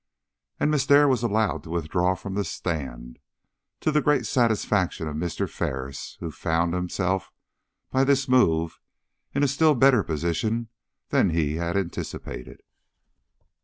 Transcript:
And Miss Dare was allowed to withdraw from the stand, to the great satisfaction of Mr. Ferris, who found himself by this move in a still better position than he had anticipated.